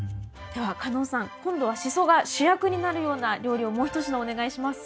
ではカノウさん今度はシソが主役になるような料理をもう一品お願いします。